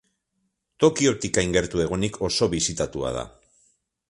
Tokiotik hain gertu egonik oso bisitatua da.